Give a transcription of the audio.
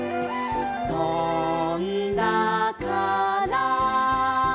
「とんだから」